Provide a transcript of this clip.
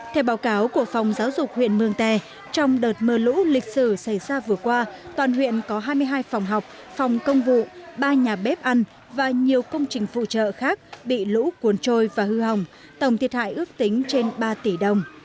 theo báo cáo của phòng giáo dục huyện mường tè trong đợt mưa lũ lịch sử xảy ra vừa qua toàn huyện có hai mươi hai phòng học phòng công vụ ba nhà bếp ăn và nhiều công trình phụ trợ khác bị lũ cuốn trôi và hư hỏng tổng thiệt hại ước tính trên ba tỷ đồng